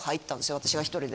私が１人で。